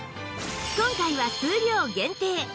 今回は数量限定！